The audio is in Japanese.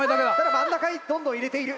真ん中にどんどん入れている。